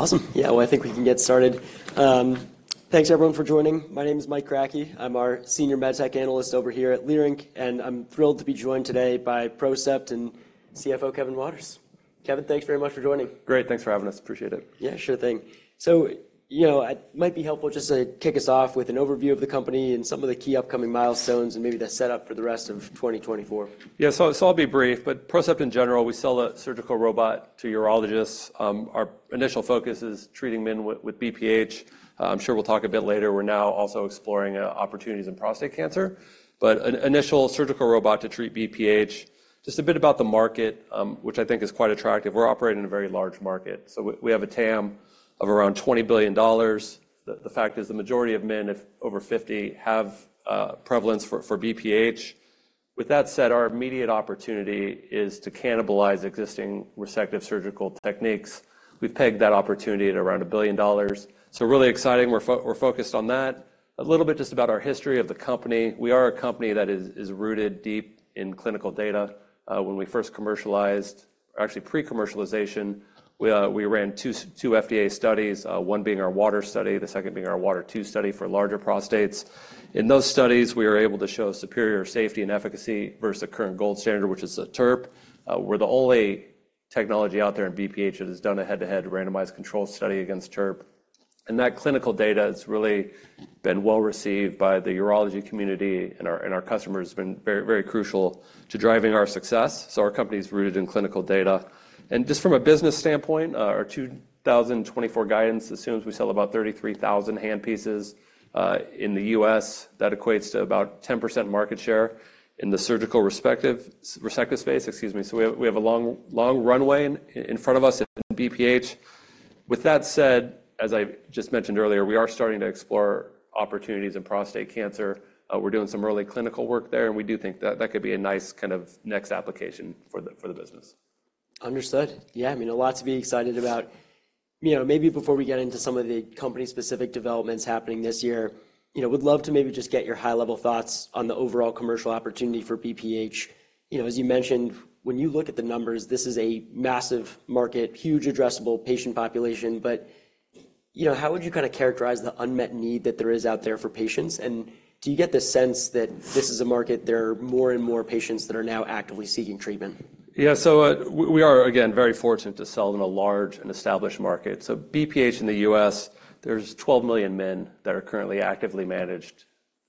Awesome. Yeah, well, I think we can get started. Thanks, everyone, for joining. My name is Mike Kratky. I'm our senior med tech analyst over here at Leerink, and I'm thrilled to be joined today by Procept CFO, Kevin Waters. Kevin, thanks very much for joining. Great, thanks for having us. Appreciate it. Yeah, sure thing. So, you know, it might be helpful just to kick us off with an overview of the company and some of the key upcoming milestones and maybe the setup for the rest of 2024. Yeah, so I'll be brief, but Procept, in general, we sell a surgical robot to urologists. Our initial focus is treating men with BPH. I'm sure we'll talk a bit later. We're now also exploring opportunities in prostate cancer, but an initial surgical robot to treat BPH. Just a bit about the market, which I think is quite attractive. We're operating in a very large market, so we have a TAM of around $20 billion. The fact is the majority of men, if over 50 years, have a prevalence for BPH. With that said, our immediate opportunity is to cannibalize existing resective surgical techniques. We've pegged that opportunity at around $1 billion. Really exciting. We're focused on that. A little bit just about our history of the company. We are a company that is rooted deep in clinical data. When we first commercialized, actually, pre-commercialization, we ran two FDA studies, one being our WATER study, the second being our WATER II study for larger prostates. In those studies, we were able to show superior safety and efficacy versus the current gold standard, which is a TURP. We're the only technology out there in BPH that has done a head-to-head randomized controlled study against TURP. That clinical data has really been well-received by the urology community and our customers, been very, very crucial to driving our success. Our company is rooted in clinical data. Just from a business standpoint, our 2024 guidance assumes we sell about 33,000 handpieces in the U.S. That equates to about 10% market share in the surgical resective space, excuse me. So we have, we have a long, long runway in, in front of us in BPH. With that said, as I just mentioned earlier, we are starting to explore opportunities in prostate cancer. We're doing some early clinical work there, and we do think that that could be a nice kind of next application for the, for the business. Understood. Yeah, I mean, a lot to be excited about. You know, maybe before we get into some of the company-specific developments happening this year, you know, would love to maybe just get your high-level thoughts on the overall commercial opportunity for BPH. You know, as you mentioned, when you look at the numbers, this is a massive market, huge addressable patient population. But, you know, how would you kinda characterize the unmet need that there is out there for patients? And do you get the sense that this is a market there are more and more patients that are now actively seeking treatment? Yeah, so, we are, again, very fortunate to sell in a large and established market. So BPH in the U.S., there's 12 million men that are currently actively managed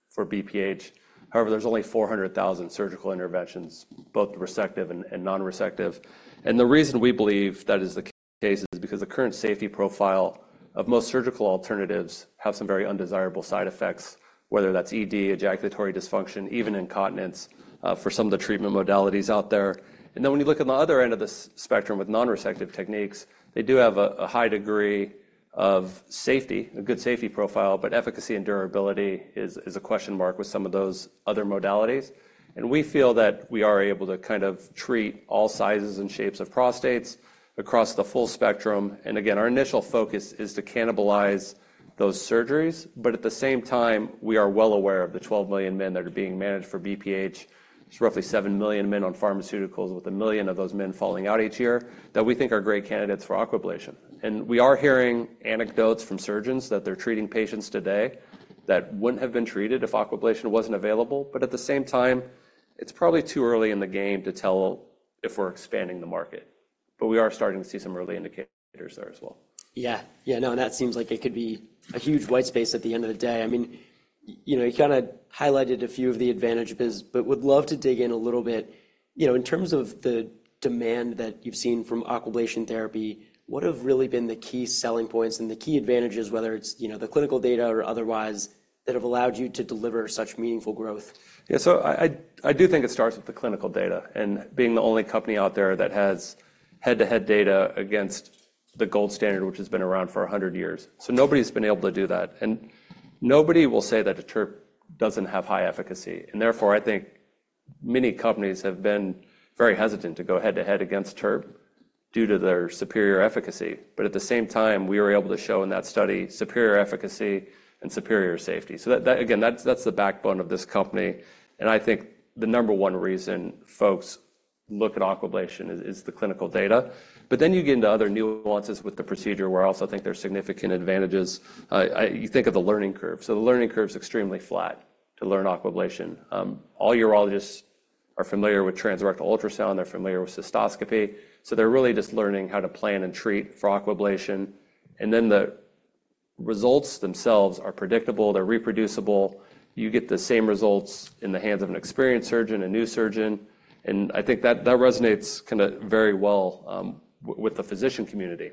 for BPH. However, there's only 400,000 surgical interventions, both resective and non-resective. And the reason we believe that is the case is because the current safety profile of most surgical alternatives have some very undesirable side effects, whether that's ED, ejaculatory dysfunction, even incontinence, for some of the treatment modalities out there. And then when you look on the other end of the spectrum with non-resective techniques, they do have a high degree of safety, a good safety profile, but efficacy and durability is a question mark with some of those other modalities. We feel that we are able to kind of treat all sizes and shapes of prostates across the full spectrum. And again, our initial focus is to cannibalize those surgeries, but at the same time, we are well aware of the 12 million men that are being managed for BPH. There's roughly 7 million men on pharmaceuticals, with 1 million of those men falling out each year, that we think are great candidates for Aquablation. And we are hearing anecdotes from surgeons that they're treating patients today that wouldn't have been treated if Aquablation wasn't available. But at the same time, it's probably too early in the game to tell if we're expanding the market. But we are starting to see some early indicators there as well. Yeah. Yeah, no, and that seems like it could be a huge white space at the end of the day. I mean, you know, you kinda highlighted a few of the advantages, but would love to dig in a little bit. You know, in terms of the demand that you've seen from Aquablation therapy, what have really been the key selling points and the key advantages, whether it's, you know, the clinical data or otherwise, that have allowed you to deliver such meaningful growth? Yeah, so I do think it starts with the clinical data and being the only company out there that has head-to-head data against the gold standard, which has been around for 100 years. So nobody's been able to do that, and nobody will say that a TURP doesn't have high efficacy. And therefore, I think many companies have been very hesitant to go head-to-head against TURP due to their superior efficacy. But at the same time, we were able to show in that study superior efficacy and superior safety. So that, again, that's the backbone of this company, and I think the number one reason folks look at Aquablation is the clinical data. But then you get into other nuances with the procedure, where I also think there are significant advantages. You think of the learning curve. The learning curve is extremely flat to learn Aquablation. All urologists are familiar with transrectal ultrasound, they're familiar with cystoscopy, so they're really just learning how to plan and treat for Aquablation. Then the results themselves are predictable, they're reproducible. You get the same results in the hands of an experienced surgeon, a new surgeon, and I think that, that resonates kinda very well with the physician community.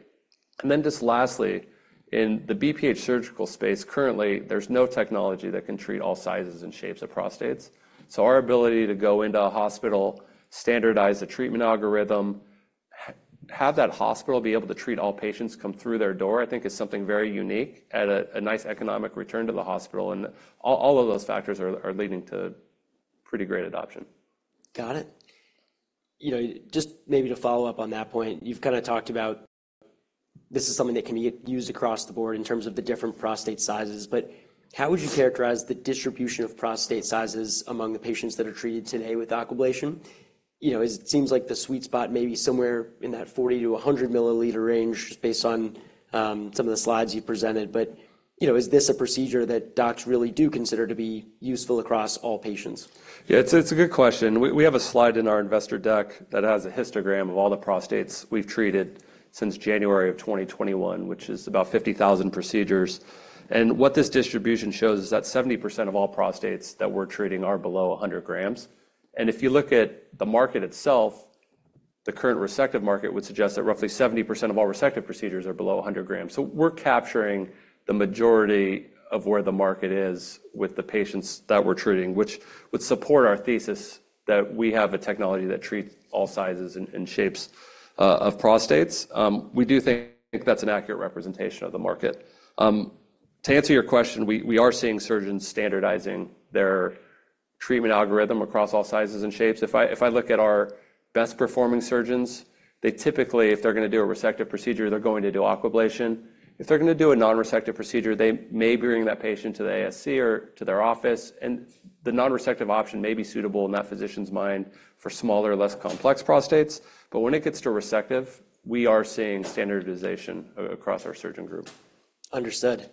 Then just lastly, in the BPH surgical space, currently, there's no technology that can treat all sizes and shapes of prostates. Our ability to go into a hospital, standardize a treatment algorithm, have that hospital be able to treat all patients come through their door, I think is something very unique at a nice economic return to the hospital, and all, all of those factors are leading to pretty great adoption. Got it. You know, just maybe to follow up on that point, you've kinda talked about this is something that can be used across the board in terms of the different prostate sizes, but how would you characterize the distribution of prostate sizes among the patients that are treated today with Aquablation?... You know, it seems like the sweet spot may be somewhere in that 40 milliliter-100 milliliter range based on some of the slides you presented. But, you know, is this a procedure that docs really do consider to be useful across all patients? Yeah, it's, it's a good question. We, we have a slide in our investor deck that has a histogram of all the prostates we've treated since January of 2021, which is about 50,000 procedures. And what this distribution shows is that 70% of all prostates that we're treating are below 100 grams. And if you look at the market itself, the current resective market would suggest that roughly 70% of all resective procedures are below 100 grams. So we're capturing the majority of where the market is with the patients that we're treating, which would support our thesis that we have a technology that treats all sizes and, and shapes of prostates. We do think that's an accurate representation of the market. To answer your question, we, we are seeing surgeons standardizing their treatment algorithm across all sizes and shapes. If I, if I look at our best-performing surgeons, they typically, if they're going to do a resective procedure, they're going to do Aquablation. If they're going to do a non-resective procedure, they may bring that patient to the ASC or to their office, and the non-resective option may be suitable in that physician's mind for smaller, less complex prostates. But when it gets to resective, we are seeing standardization across our surgeon group. Understood.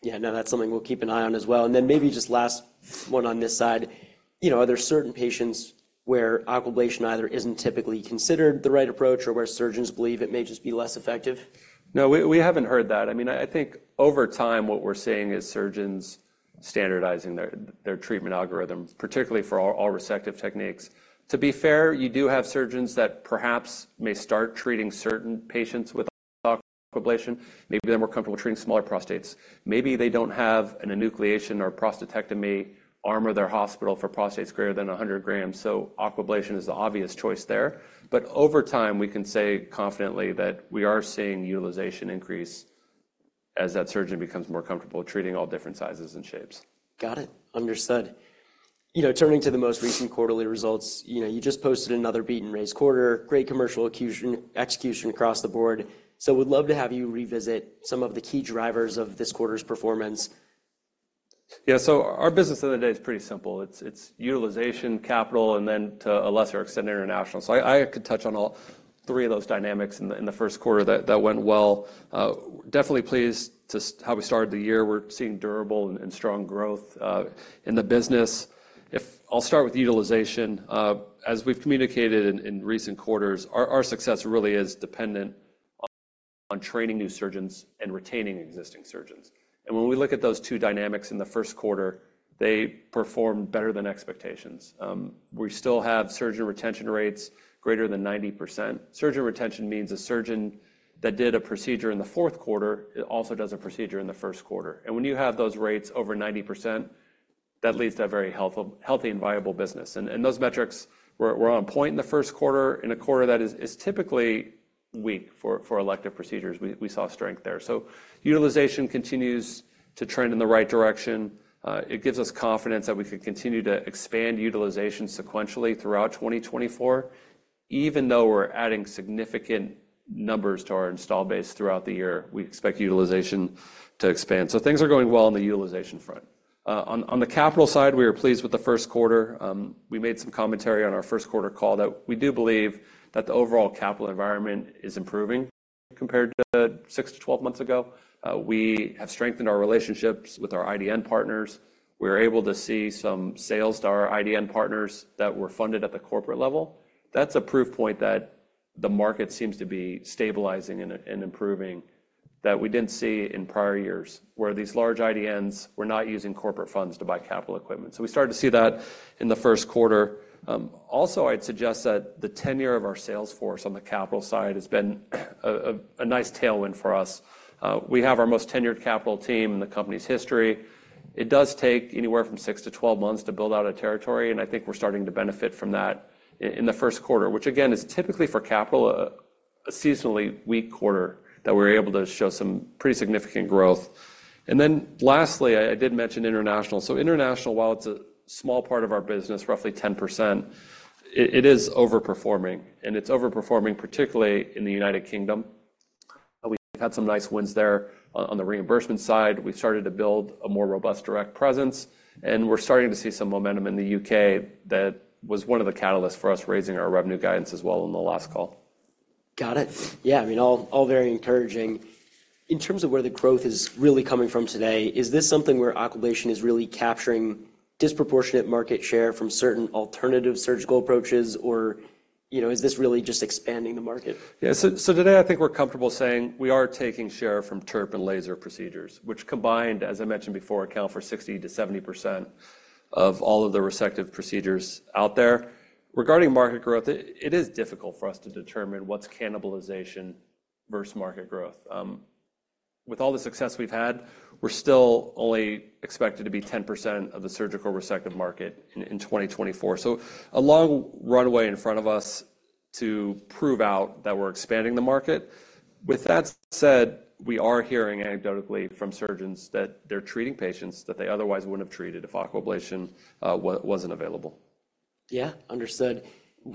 Yeah, no, that's something we'll keep an eye on as well. And then maybe just last one on this side. You know, are there certain patients where Aquablation either isn't typically considered the right approach or where surgeons believe it may just be less effective? No, we haven't heard that. I mean, I think over time, what we're seeing is surgeons standardizing their treatment algorithms, particularly for all resective techniques. To be fair, you do have surgeons that perhaps may start treating certain patients with Aquablation. Maybe they're more comfortable treating smaller prostates. Maybe they don't have an enucleation or prostatectomy arm or their hospital for prostates greater than 100 grams, so Aquablation is the obvious choice there. But over time, we can say confidently that we are seeing utilization increase as that surgeon becomes more comfortable treating all different sizes and shapes. Got it. Understood. You know, turning to the most recent quarterly results, you know, you just posted another beat and raise quarter, great commercial execution across the board. So would love to have you revisit some of the key drivers of this quarter's performance. Yeah. So our business of the day is pretty simple. It's utilization, capital, and then to a lesser extent, international. So I could touch on all three of those dynamics in the first quarter that went well. Definitely pleased to see how we started the year. We're seeing durable and strong growth in the business. I'll start with utilization. As we've communicated in recent quarters, our success really is dependent on training new surgeons and retaining existing surgeons. And when we look at those two dynamics in the first quarter, they performed better than expectations. We still have surgeon retention rates greater than 90%. Surgeon retention means a surgeon that did a procedure in the fourth quarter also does a procedure in the first quarter. When you have those rates over 90%, that leads to a very healthful, healthy and viable business. And those metrics were on point in the first quarter, in a quarter that is typically weak for elective procedures, we saw strength there. So utilization continues to trend in the right direction. It gives us confidence that we could continue to expand utilization sequentially throughout 2024, even though we're adding significant numbers to our installed base throughout the year, we expect utilization to expand. So things are going well on the utilization front. On the capital side, we are pleased with the first quarter. We made some commentary on our first quarter call that we do believe that the overall capital environment is improving compared to 6 months-12 months ago. We have strengthened our relationships with our IDN partners. We're able to see some sales to our IDN partners that were funded at the corporate level. That's a proof point that the market seems to be stabilizing and improving, that we didn't see in prior years, where these large IDNs were not using corporate funds to buy capital equipment. So we started to see that in the first quarter. Also, I'd suggest that the tenure of our sales force on the capital side has been a nice tailwind for us. We have our most tenured capital team in the company's history. It does take anywhere from 6 months-12 months to build out a territory, and I think we're starting to benefit from that in the first quarter, which again is typically for capital a seasonally weak quarter, that we're able to show some pretty significant growth. And then lastly, I did mention international. So international, while it's a small part of our business, roughly 10%, is overperforming, and it's overperforming, particularly in the United Kingdom. We've had some nice wins there. On the reimbursement side, we started to build a more robust direct presence, and we're starting to see some momentum in the U.K.. That was one of the catalysts for us raising our revenue guidance as well on the last call. Got it. Yeah, I mean, all very encouraging. In terms of where the growth is really coming from today, is this something where Aquablation is really capturing disproportionate market share from certain alternative surgical approaches, or, you know, is this really just expanding the market? Yeah, so, so today, I think we're comfortable saying we are taking share from TURP and laser procedures, which combined, as I mentioned before, account for 60%-70% of all of the resective procedures out there. Regarding market growth, it, it is difficult for us to determine what's cannibalization versus market growth. With all the success we've had, we're still only expected to be 10% of the surgical resective market in, in 2024. So a long runway in front of us to prove out that we're expanding the market. With that said, we are hearing anecdotally from surgeons that they're treating patients that they otherwise wouldn't have treated if Aquablation wasn't available. Yeah, understood.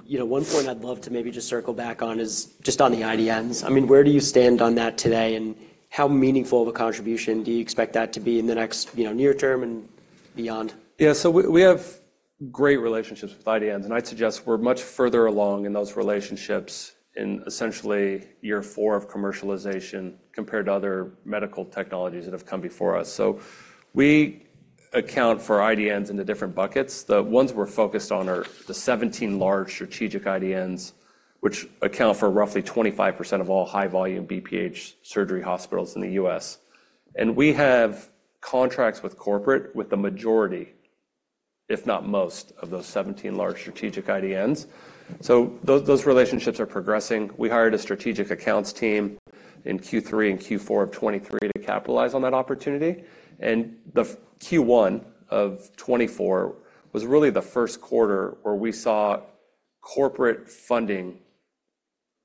You know, one point I'd love to maybe just circle back on is just on the IDNs. I mean, where do you stand on that today, and how meaningful of a contribution do you expect that to be in the next, you know, near term and beyond? Yeah, so we have great relationships with IDNs, and I'd suggest we're much further along in those relationships in essentially year 4 of commercialization compared to other medical technologies that have come before us. So we account for IDNs into different buckets. The ones we're focused on are the 17 large strategic IDNs, which account for roughly 25% of all high-volume BPH surgery hospitals in the U.S. And we have contracts with corporate, with the majority, if not most, of those 17 large strategic IDNs. So those relationships are progressing. We hired a strategic accounts team in Q3 and Q4 of 2023 to capitalize on that opportunity, and the Q1 of 2024 was really the first quarter where we saw corporate funding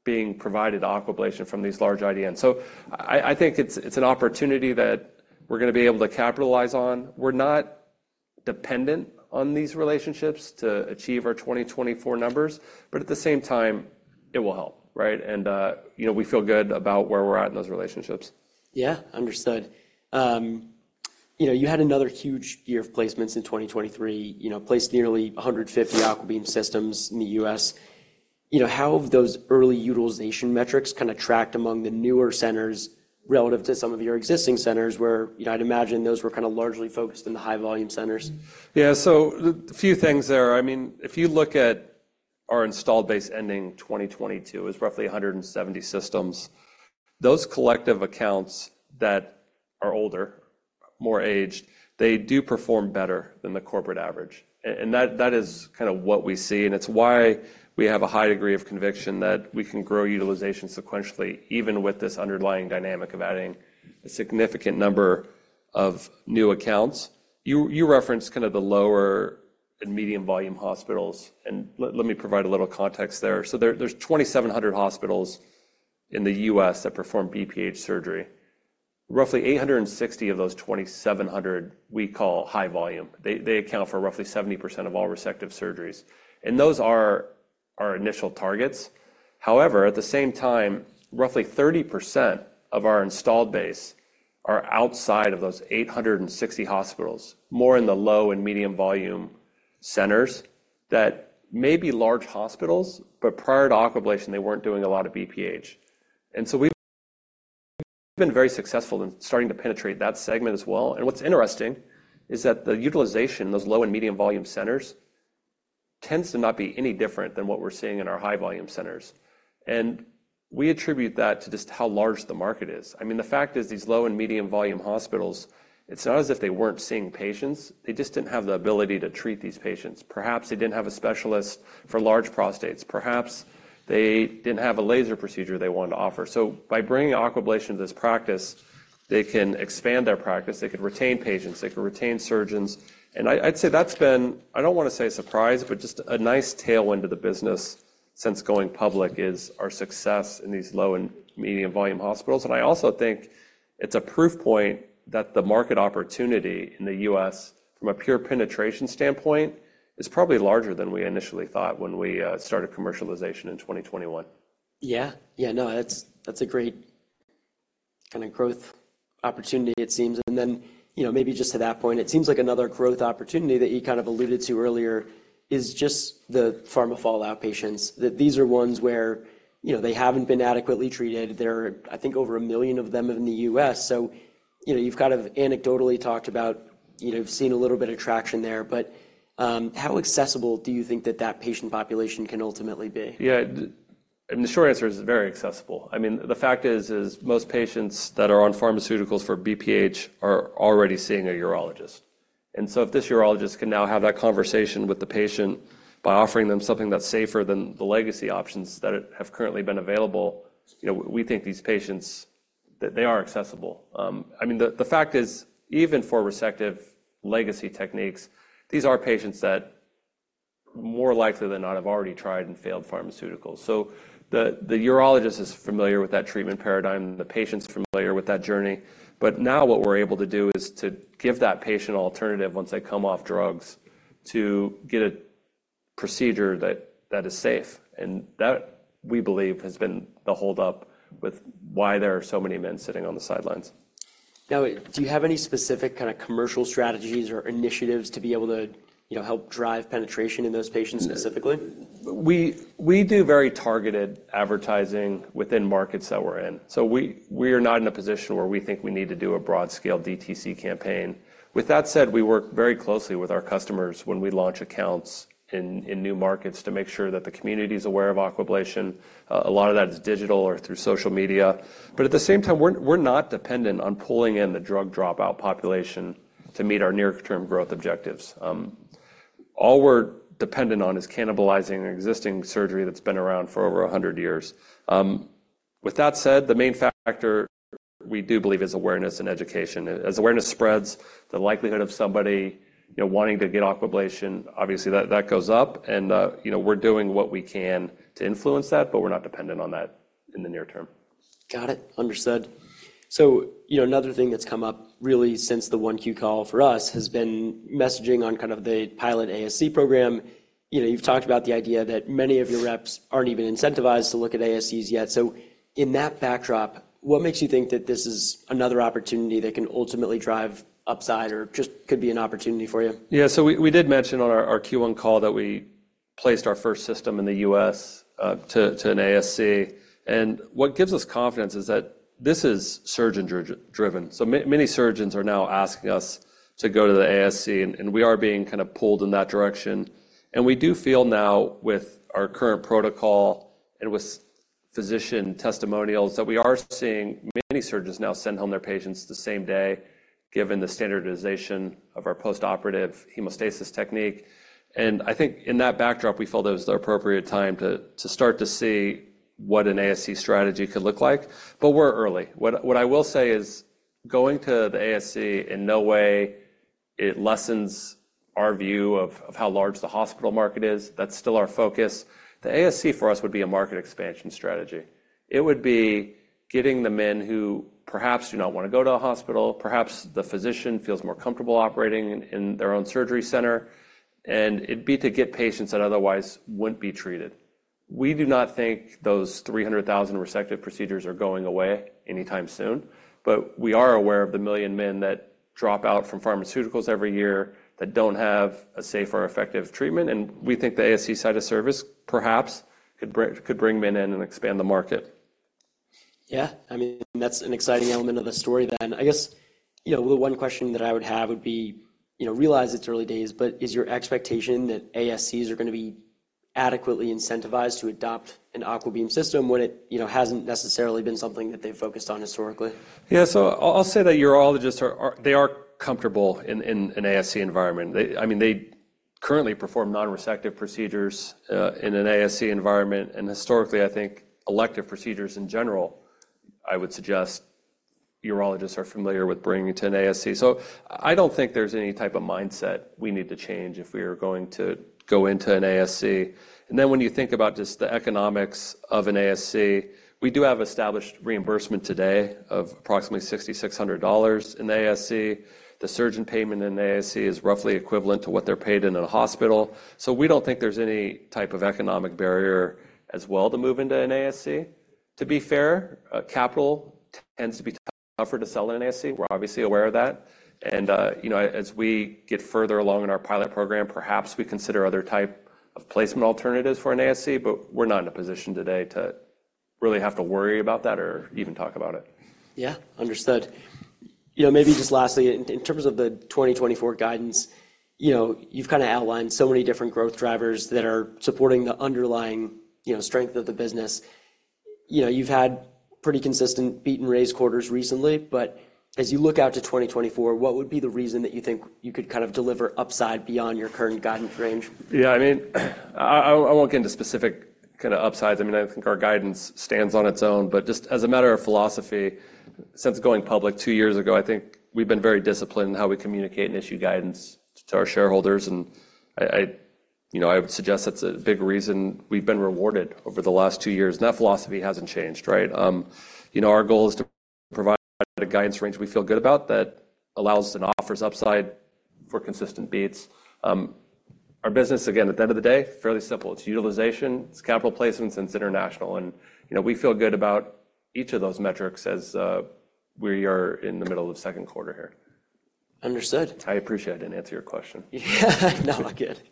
being provided to Aquablation from these large IDNs. So I think it's an opportunity that we're going to be able to capitalize on. We're not dependent on these relationships to achieve our 2024 numbers, but at the same time, it will help, right? You know, we feel good about where we're at in those relationships. Yeah, understood. You know, you had another huge year of placements in 2023, you know, placed nearly 150 AquaBeam systems in the U.S.. You know, how have those early utilization metrics kind of tracked among the newer centers relative to some of your existing centers, where, you know, I'd imagine those were kind of largely focused in the high-volume centers? Yeah. So a few things there. I mean, if you look at our installed base ending 2022, it was roughly 170 systems. Those collective accounts that are older, more aged, they do perform better than the corporate average. And that is kind of what we see, and it's why we have a high degree of conviction that we can grow utilization sequentially, even with this underlying dynamic of adding a significant number of new accounts. You referenced kind of the lower and medium-volume hospitals, and let me provide a little context there. So there's 2,700 hospitals in the U.S. that perform BPH surgery. Roughly 860 of those 2,700, we call high volume. They account for roughly 70% of all resective surgeries, and those are our initial targets. However, at the same time, roughly 30% of our installed base are outside of those 860 hospitals, more in the low and medium-volume centers, that may be large hospitals, but prior to Aquablation, they weren't doing a lot of BPH. And so we've been very successful in starting to penetrate that segment as well. And what's interesting is that the utilization, those low and medium-volume centers, tends to not be any different than what we're seeing in our high-volume centers. And we attribute that to just how large the market is. I mean, the fact is, these low and medium-volume hospitals, it's not as if they weren't seeing patients; they just didn't have the ability to treat these patients. Perhaps they didn't have a specialist for large prostates. Perhaps they didn't have a laser procedure they wanted to offer. So by bringing Aquablation to this practice, they can expand their practice, they could retain patients, they could retain surgeons. And I, I'd say that's been, I don't want to say a surprise, but just a nice tailwind to the business since going public, is our success in these low and medium-volume hospitals. And I also think it's a proof point that the market opportunity in the U.S., from a pure penetration standpoint, is probably larger than we initially thought when we started commercialization in 2021. Yeah. Yeah, no, that's, that's a great kind of growth opportunity, it seems. And then, you know, maybe just to that point, it seems like another growth opportunity that you kind of alluded to earlier is just the pharma fallout patients. That these are ones where, you know, they haven't been adequately treated. There are, I think, over 1 million of them in the U.S., so, you know, you've kind of anecdotally talked about, you know, seeing a little bit of traction there, but, how accessible do you think that that patient population can ultimately be? Yeah, and the short answer is very accessible. I mean, the fact is most patients that are on pharmaceuticals for BPH are already seeing a urologist. And so if this urologist can now have that conversation with the patient by offering them something that's safer than the legacy options that have currently been available, you know, we think these patients, that they are accessible. I mean, the fact is, even for resective legacy techniques, these are patients that more likely than not, have already tried and failed pharmaceuticals. So the urologist is familiar with that treatment paradigm, the patient's familiar with that journey. But now what we're able to do is to give that patient an alternative once they come off drugs, to get a procedure that is safe, and that, we believe, has been the hold up with why there are so many men sitting on the sidelines. Now, do you have any specific kind of commercial strategies or initiatives to be able to, you know, help drive penetration in those patients specifically? We do very targeted advertising within markets that we're in, so we are not in a position where we think we need to do a broad-scale DTC campaign. With that said, we work very closely with our customers when we launch accounts in new markets to make sure that the community is aware of Aquablation. A lot of that is digital or through social media, but at the same time, we're not dependent on pulling in the drug dropout population to meet our near-term growth objectives. All we're dependent on is cannibalizing existing surgery that's been around for over a hundred years. With that said, the main factor we do believe is awareness and education. As awareness spreads, the likelihood of somebody, you know, wanting to get Aquablation, obviously, that, that goes up, and, you know, we're doing what we can to influence that, but we're not dependent on that in the near term. Got it. Understood. So, you know, another thing that's come up really since the 1Q call for us has been messaging on kind of the pilot ASC program, you know, you've talked about the idea that many of your reps aren't even incentivized to look at ASCs yet. So in that backdrop, what makes you think that this is another opportunity that can ultimately drive upside or just could be an opportunity for you? Yeah, so we did mention on our Q1 call that we placed our first system in the U.S. to an ASC. And what gives us confidence is that this is surgeon-driven. So many surgeons are now asking us to go to the ASC, and we are being kind of pulled in that direction. And we do feel now, with our current protocol and with physician testimonials, that we are seeing many surgeons now send home their patients the same day, given the standardization of our postoperative hemostasis technique. And I think in that backdrop, we feel that it was the appropriate time to start to see what an ASC strategy could look like, but we're early. What I will say is going to the ASC, in no way it lessens our view of how large the hospital market is. That's still our focus. The ASC, for us, would be a market expansion strategy. It would be getting the men who perhaps do not want to go to a hospital, perhaps the physician feels more comfortable operating in, in their own surgery center, and it'd be to get patients that otherwise wouldn't be treated. We do not think those 300,000 resective procedures are going away anytime soon, but we are aware of the 1 million men that drop out from pharmaceuticals every year that don't have a safe or effective treatment, and we think the ASC side of service perhaps could bring men in and expand the market. Yeah, I mean, that's an exciting element of the story then. I guess, you know, the one question that I would have would be, you know, realize it's early days, but is your expectation that ASCs are going to be adequately incentivized to adopt an AquaBeam system when it, you know, hasn't necessarily been something that they've focused on historically? Yeah. So I'll say that urologists are comfortable in an ASC environment. They... I mean, they currently perform non-resective procedures. Yeah... in an ASC environment, and historically, I think elective procedures in general, I would suggest urologists are familiar with bringing it to an ASC. So I don't think there's any type of mindset we need to change if we are going to go into an ASC. And then when you think about just the economics of an ASC, we do have established reimbursement today of approximately $6,600 in ASC. The surgeon payment in ASC is roughly equivalent to what they're paid in a hospital. So we don't think there's any type of economic barrier as well to move into an ASC. To be fair, capital tends to be tougher to sell in an ASC. We're obviously aware of that, and, you know, as we get further along in our pilot program, perhaps we consider other type of placement alternatives for an ASC, but we're not in a position today to really have to worry about that or even talk about it. Yeah, understood. You know, maybe just lastly, in terms of the 2024 guidance, you know, you've kind of outlined so many different growth drivers that are supporting the underlying, you know, strength of the business. You know, you've had pretty consistent beat and raise quarters recently, but as you look out to 2024, what would be the reason that you think you could kind of deliver upside beyond your current guidance range? Yeah, I mean, I won't get into specific kind of upsides. I mean, I think our guidance stands on its own, but just as a matter of philosophy, since going public two years ago, I think we've been very disciplined in how we communicate and issue guidance to our shareholders, and... You know, I would suggest that's a big reason we've been rewarded over the last two years. And that philosophy hasn't changed, right? You know, our goal is to provide a guidance range we feel good about that allows and offers upside for consistent beats. Our business, again, at the end of the day, fairly simple. It's utilization, it's capital placements, and it's international. And, you know, we feel good about each of those metrics as we are in the middle of second quarter here. Understood. I appreciate I didn't answer your question. Yeah. No, I get it.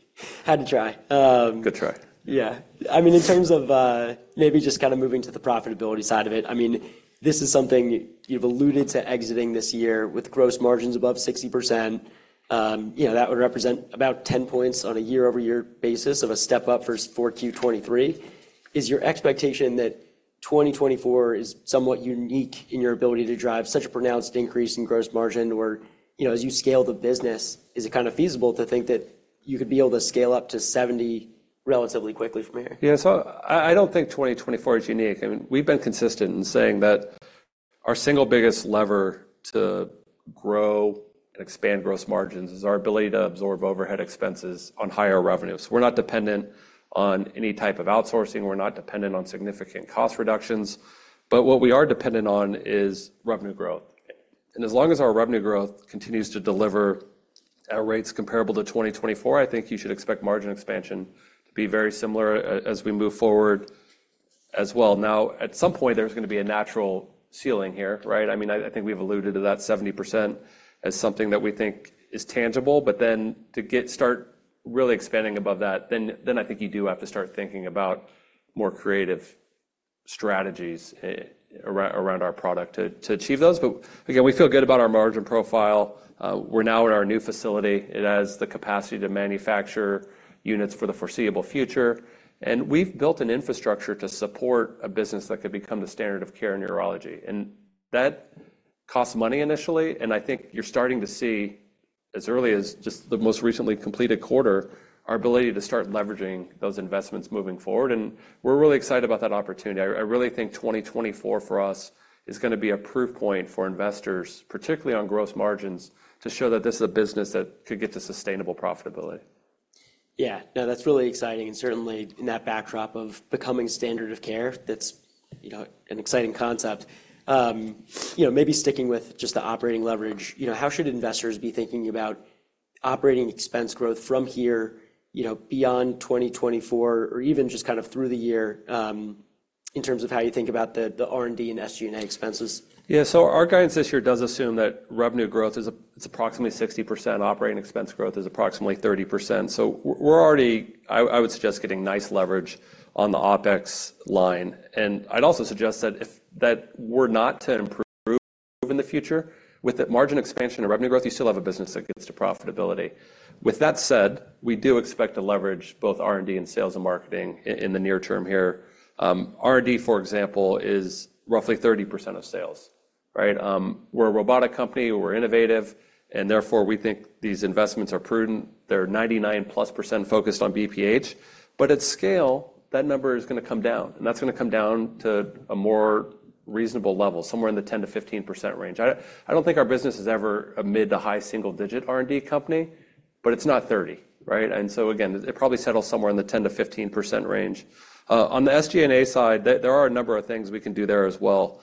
Had to try. Good try. Yeah. I mean, in terms of, maybe just kind of moving to the profitability side of it, I mean, this is something you, you've alluded to exiting this year with gross margins above 60%. You know, that would represent about 10 points on a year-over-year basis of a step-up for Q 2023. Is your expectation that 2024 is somewhat unique in your ability to drive such a pronounced increase in gross margin? Or, you know, as you scale the business, is it kind of feasible to think that you could be able to scale up to 70% relatively quickly from here? Yeah. So I don't think 2024 is unique. I mean, we've been consistent in saying that our single biggest lever to grow and expand gross margins is our ability to absorb overhead expenses on higher revenues. We're not dependent on any type of outsourcing. We're not dependent on significant cost reductions, but what we are dependent on is revenue growth. And as long as our revenue growth continues to deliver at rates comparable to 2024, I think you should expect margin expansion to be very similar as we move forward as well. Now, at some point, there's going to be a natural ceiling here, right? I mean, I think we've alluded to that 70% as something that we think is tangible, but then to get start—really expanding above that, then I think you do have to start thinking about more creative strategies around our product to achieve those. But again, we feel good about our margin profile. We're now in our new facility. It has the capacity to manufacture units for the foreseeable future, and we've built an infrastructure to support a business that could become the standard of care in urology, and that costs money initially. I think you're starting to see, as early as just the most recently completed quarter, our ability to start leveraging those investments moving forward, and we're really excited about that opportunity. I really think 2024 for us is gonna be a proof point for investors, particularly on gross margins, to show that this is a business that could get to sustainable profitability. Yeah. No, that's really exciting, and certainly in that backdrop of becoming standard of care, that's, you know, an exciting concept. You know, maybe sticking with just the operating leverage, you know, how should investors be thinking about operating expense growth from here, you know, beyond 2024, or even just kind of through the year, in terms of how you think about the R&D and SG&A expenses? Yeah, so our guidance this year does assume that revenue growth is approximately 60%. Operating expense growth is approximately 30%. So we're already, I would suggest, getting nice leverage on the OpEx line, and I'd also suggest that if that were not to improve in the future, with the margin expansion and revenue growth, you still have a business that gets to profitability. With that said, we do expect to leverage both R&D and sales and marketing in the near term here. R&D, for example, is roughly 30% of sales, right? We're a robotic company, we're innovative, and therefore, we think these investments are prudent. They're 99%+ focused on BPH, but at scale, that number is gonna come down, and that's gonna come down to a more reasonable level, somewhere in the 10%-15% range. I don't think our business is ever a mid-to-high single-digit R&D company, but it's not 30, right? And so again, it'll probably settle somewhere in the 10%-15% range. On the SG&A side, there are a number of things we can do there as well.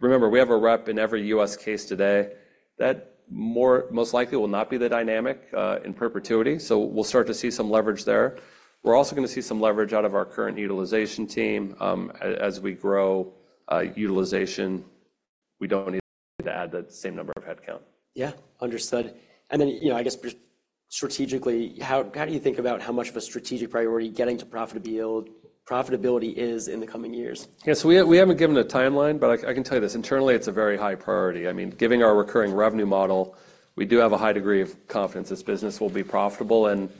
Remember, we have a rep in every U.S. case today. That most likely will not be the dynamic in perpetuity, so we'll start to see some leverage there. We're also gonna see some leverage out of our current utilization team, as we grow utilization, we don't need to add that same number of headcount. Yeah, understood. And then, you know, I guess just strategically, how do you think about how much of a strategic priority getting to profitability is in the coming years? Yeah, so we haven't given a timeline, but I can tell you this: internally, it's a very high priority. I mean, given our recurring revenue model, we do have a high degree of confidence this business will be profitable, and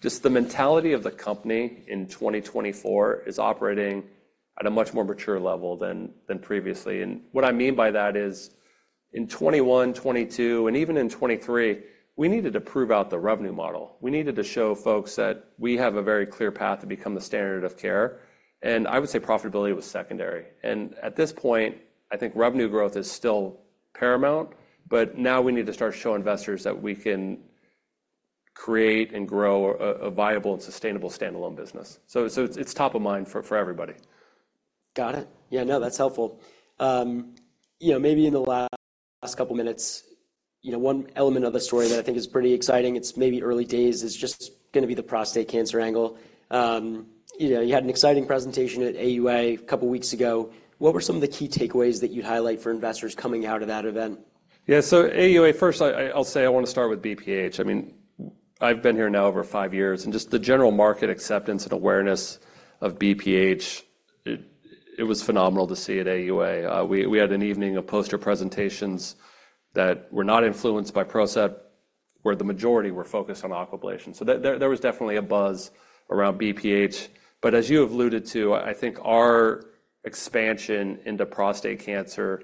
just the mentality of the company in 2024 is operating at a much more mature level than previously. And what I mean by that is, in 2021, 2022, and even in 2023, we needed to prove out the revenue model. We needed to show folks that we have a very clear path to become the standard of care, and I would say profitability was secondary. And at this point, I think revenue growth is still paramount, but now we need to start to show investors that we can create and grow a viable and sustainable standalone business. So it's top of mind for everybody. Got it. Yeah, no, that's helpful. You know, maybe in the last couple minutes, you know, one element of the story that I think is pretty exciting, it's maybe early days, is just gonna be the prostate cancer angle. You know, you had an exciting presentation at AUA a couple of weeks ago. What were some of the key takeaways that you'd highlight for investors coming out of that event? Yeah, so AUA, first, I'll say I want to start with BPH. I mean, I've been here now over five years, and just the general market acceptance and awareness of BPH, it was phenomenal to see at AUA. We had an evening of poster presentations that were not influenced by PROCEPT, where the majority were focused on Aquablation. So there was definitely a buzz around BPH. But as you have alluded to, I think our expansion into prostate cancer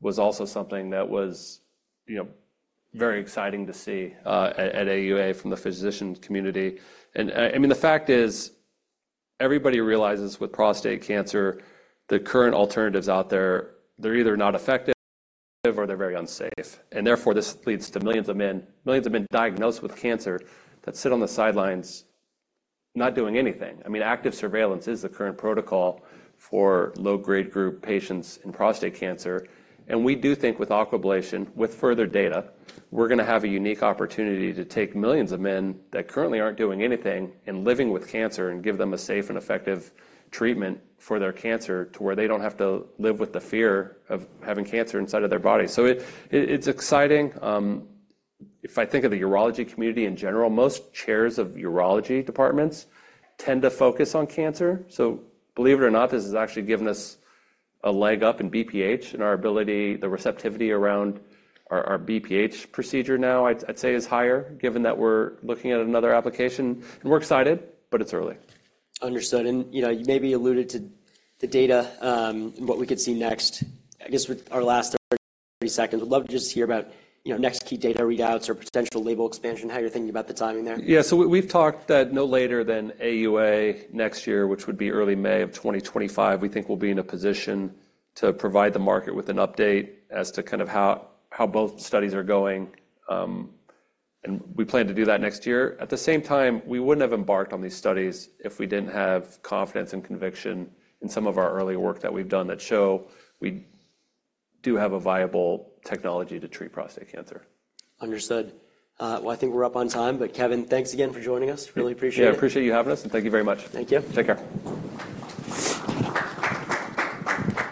was also something that was, you know, very exciting to see at AUA from the physician community. And I mean, the fact is, everybody realizes with prostate cancer, the current alternatives out there, they're either not effective or they're very unsafe, and therefore, this leads to millions of men, millions of men diagnosed with cancer that sit on the sidelines not doing anything. I mean, active surveillance is the current protocol for low-grade group patients in prostate cancer, and we do think with Aquablation, with further data, we're gonna have a unique opportunity to take millions of men that currently aren't doing anything and living with cancer and give them a safe and effective treatment for their cancer to where they don't have to live with the fear of having cancer inside of their body. So it's exciting. If I think of the urology community in general, most chairs of urology departments tend to focus on cancer. So believe it or not, this has actually given us a leg up in BPH and our ability, the receptivity around our BPH procedure now, I'd say, is higher, given that we're looking at another application, and we're excited, but it's early. Understood. You know, you maybe alluded to the data, what we could see next. I guess with our last 30 seconds, I'd love to just hear about, you know, next key data readouts or potential label expansion, how you're thinking about the timing there. Yeah, so we, we've talked that no later than AUA next year, which would be early May of 2025, we think we'll be in a position to provide the market with an update as to kind of how both studies are going. And we plan to do that next year. At the same time, we wouldn't have embarked on these studies if we didn't have confidence and conviction in some of our earlier work that we've done that show we do have a viable technology to treat prostate cancer. Understood. Well, I think we're up on time, but Kevin, thanks again for joining us. Really appreciate it. Yeah, I appreciate you having us, and thank you very much. Thank you. Take care.